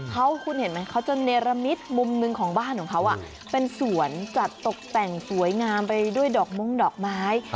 เขาจะเนรมิตมุมหนึ่งของบ้านของเขาเป็นสวนจัดตกแต่งสวยงามไปด้วยดอกม่วงดอกไม้